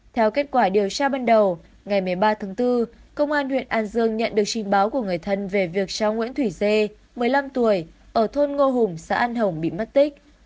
theo kết quả điều tra ban đầu ngày một mươi ba tháng bốn công an huyện an dương nhận được trình báo của người thân về việc cháu nguyễn thủy dê một mươi năm tuổi ở thôn ngô hùng xã an hồng bị mất tích